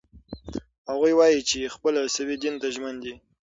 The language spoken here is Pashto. هغه وايي چې خپل عیسوي دین ته ژمن دی.